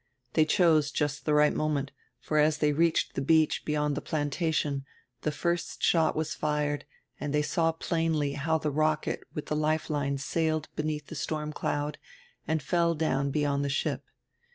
They chose just die right moment, for as diey reached die beach beyond die 'Plantation' die first shot was fired and they saw plainly how die rocket with die life line sailed beneadi the storm cloud and fell down beyond die ship.